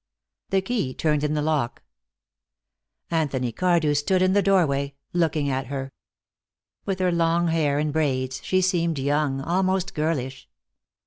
The key turned in the lock. Anthony Cardew stood in the doorway, looking at her. With her long hair in braids, she seemed young, almost girlish.